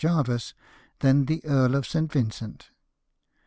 Jervis than the Earl of St. Vincent."